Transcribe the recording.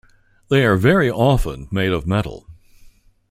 They are very often made of metal.